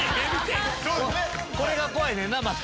これが怖いねんなまた。